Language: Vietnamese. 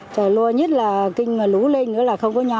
trời lùa nhất là kinh mà lú lên nữa là không có nhà ở nữa